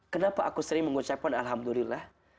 kenapa aku sering mengucapkan alhamdulillah